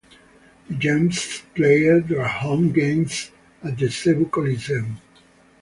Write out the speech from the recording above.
The Gems played their home games at the Cebu Coliseum.